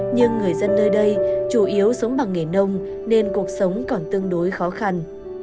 nhưng người dân nơi đây chủ yếu sống bằng nghề nông nên cuộc sống còn tương đối khó khăn